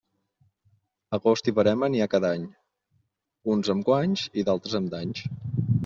Agost i verema n'hi ha cada any, uns amb guanys i d'altres amb danys.